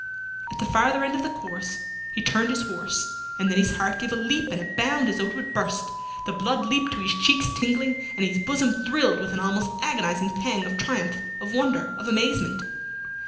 At the farther end of the course he turned his horse, and then his heart gave a leap and a bound as though it would burst, the blood leaped to his cheeks tingling, and his bosom thrilled with an almost agonizing pang of triumph, of wonder, of amazement.